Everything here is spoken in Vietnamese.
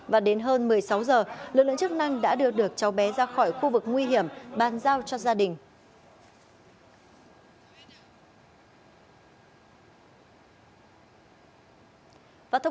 và đến hơn một mươi sáu giờ lực lượng chức năng đã đưa được cháu bé ra khỏi khu vực nguy hiểm bàn giao cho gia đình